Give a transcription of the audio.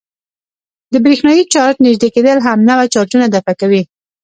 د برېښنايي چارج نژدې کېدل همنوع چارجونه دفع کوي.